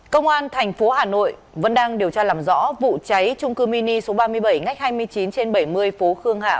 công an thành phố hà nội vẫn đang điều tra làm rõ vụ cháy trung cư mini số ba mươi bảy ngách hai mươi chín trên bảy mươi phố khương hạ